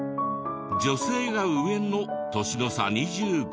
女性が上の年の差２５歳。